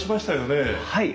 はい。